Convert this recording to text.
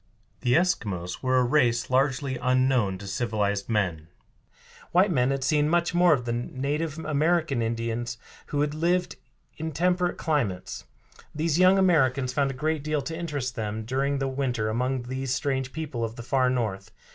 The Eskimos were a race largely unknown to civilized men. White men had seen much more of the native American Indians who lived in more temperate climates. These young Americans found a great deal to interest them during the winter among these strange people of the far North.